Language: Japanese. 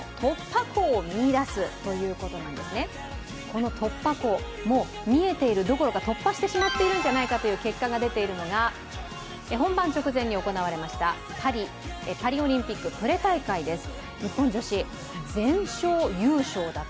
この突破口、見えているどころか突破してしまっているんじゃないかという結果が出ているのが、本番直前に行われましたパリオリンピックプレ大会です。